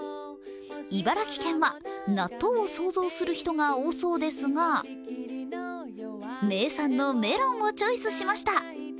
茨城県は納豆を想像する人が多そうですが名産のメロンをチョイスしました。